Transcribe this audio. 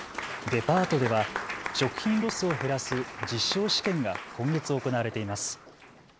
デパートでは食品ロスを減らす実証試験が今月行われています。